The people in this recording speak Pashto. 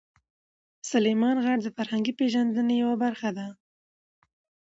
سلیمان غر د فرهنګي پیژندنې یوه برخه ده.